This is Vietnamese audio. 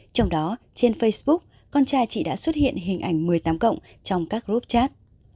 trong đó trên facebook con trai chị đã xuất hiện hình ảnh một mươi tám cộng trong các group chat